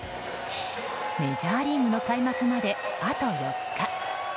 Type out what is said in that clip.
メジャーリーグの開幕まであと４日。